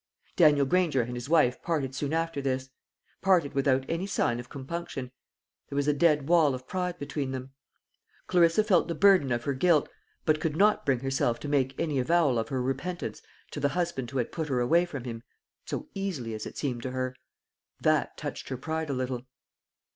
Daniel Granger and his wife parted soon after this; parted without any sign of compunction there was a dead wall of pride between them. Clarissa felt the burden of her guilt, but could not bring herself to make any avowal of her repentance to the husband who had put her away from him, so easily, as it seemed to her. That touched her pride a little.